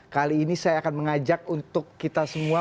kali ini saya akan mengajak untuk kita semua